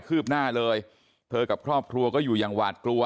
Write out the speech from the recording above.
ืบหน้าเลยเธอกับครอบครัวก็อยู่อย่างหวาดกลัว